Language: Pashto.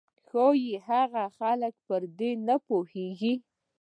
ښايي هغه خلک به پر دې نه پوهېږي.